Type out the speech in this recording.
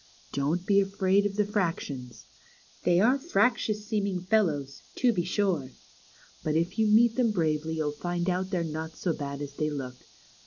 Don't be afraid of the fractions. They are fractious seeming fellows, to be sure, but if you meet them bravely you'll find out they're not so bad as they look.